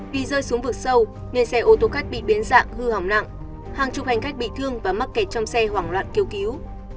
vì rơi xuống vực sâu nên xe ô tô khách bị biến dạng hư hỏng nặng hàng chục hành khách bị thương và mắc kẹt trong xe hoảng loạn kêu cứu